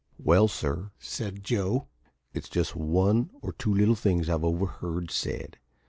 "Well, sir," said Joe, "it's just one or two little things I've overheard said.